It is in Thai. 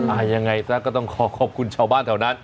ยังไงซะก็ต้องขอขอบคุณชาวบ้านแถวนั้น